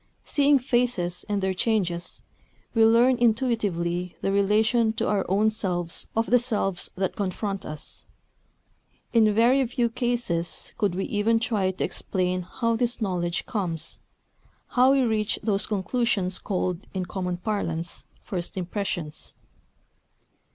Seeing faces and their changes, we learn intuitively the relation to our own selves of the selves that confront us. In very few cases could we even try to explain how this knowledge comes, how we reach those conclusions called, in common parlance, "first impressions."